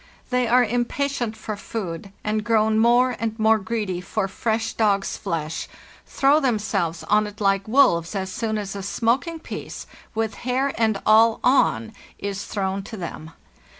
They are impatient for food, and, grown more and more greedy for fresh dog's flesh, throw themselves on it like wolves as soon as a smoking piece, with hair and all on, is thrown to them.